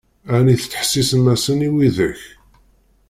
Ɛni tettḥessisem-asen i widak?